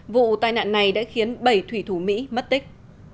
vụ tai nạn này đã khiến bảy thủy thủ mỹ mất tích